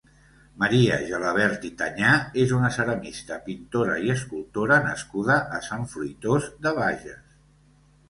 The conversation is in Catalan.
Maria Gelabert i Tañà és una ceramista, pintora i escultora nascuda a Sant Fruitós de Bages.